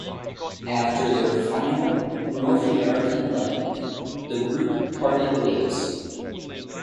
After their final North American leg, the group parted ways.